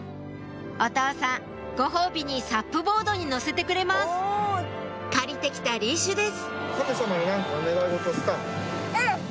お父さんご褒美にサップボードに乗せてくれます借りて来たリーシュです